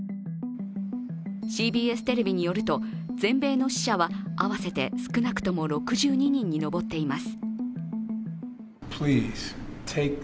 ＣＢＳテレビによると全米の死者は合わせて少なくとも６２人に上っています。